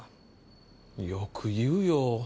よく言うよ。